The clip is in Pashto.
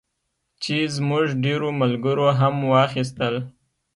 چې زموږ ډېرو ملګرو هم واخیستل.